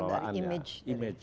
pengelolaannya atau dari image